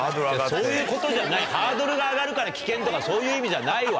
そういうことじゃないハードルが上がるから危険とかそういう意味じゃないわ！